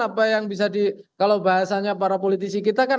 apa yang bisa di kalau bahasanya para politisi kita kan